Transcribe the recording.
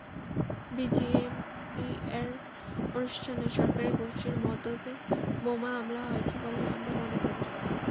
বিজিএমইএর অনুষ্ঠানে সরকারি গোষ্ঠীর মদদে বোমা হামলা হয়েছে বলে আমরা মনে করি।